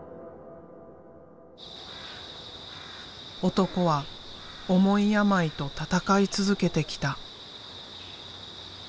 男は重い病と闘い続けてきた。